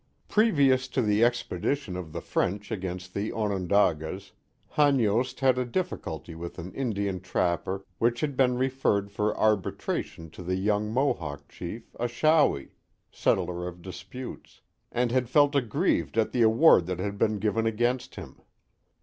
io8 The Mohawk Valley Previous to the expedition of the French against the Onon dagas, Hanyost had a didiculty with an Indian trapper which had been referred for arbitration to the young Muhawk chief, Achawi (settler of disputes) and had felt aggrieved at the award that had been given against him.